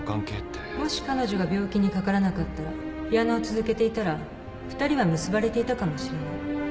もし彼女が病気にかからなかったらピアノを続けていたら二人は結ばれていたかもしれない。